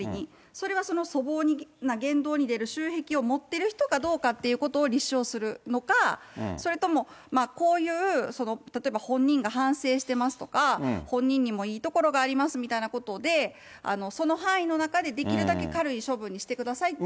それは粗暴な言動に出る習癖を持ってる人かどうかっていうことを立証するのか、それともこういう例えば本人が反省してますとか、本人にもいいところがありますみたいなことで、その範囲の中でできるだけ軽い処分にしてくださいという。